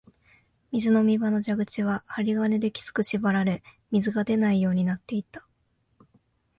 水飲み場の蛇口は針金できつく縛られ、水が出ないようになっていた